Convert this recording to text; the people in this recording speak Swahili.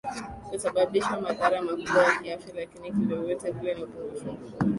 kusababisha madhara makubwa ya kiafya lakini kivyovyote vile ni upungufu mkubwa